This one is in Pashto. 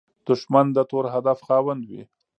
دښمن د تور هدف خاوند وي